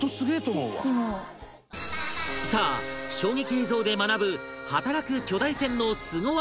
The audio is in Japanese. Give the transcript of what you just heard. さあ衝撃映像で学ぶ働く巨大船のスゴ技